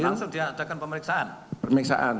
langsung diadakan pemeriksaan